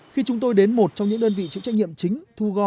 khi chúng tôi đến một trong những đơn vị chủ trách nhiệm chính